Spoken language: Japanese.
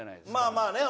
まあまあね。